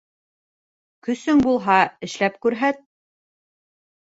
Көсөң булһа, эшләп күрһәт.